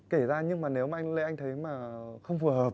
kể ra nhưng mà nếu mà anh lê anh thấy mà không phù hợp